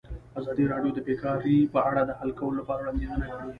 ازادي راډیو د بیکاري په اړه د حل کولو لپاره وړاندیزونه کړي.